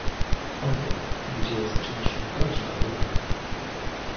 Oto, gdzie zaczyna się prawdziwa debata